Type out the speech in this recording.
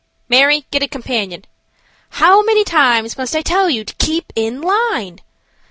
"Mary, get a companion." "How many times must I tell you to keep in line?"